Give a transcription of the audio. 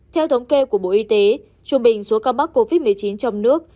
theo thống kê của bộ y tế trung bình số ca mắc covid một mươi chín trong nước